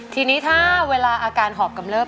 ทีนี้ถ้าเวลาอาการหอบกำเริบ